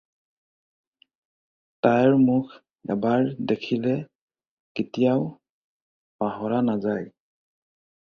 তাইৰ মুখ এবাৰ দেখিলে কেতিয়াও পাহৰা নেযায়।